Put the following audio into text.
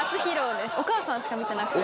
お母さんしか見てなくて。